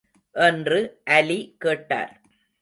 என்று அலி கேட்டார்.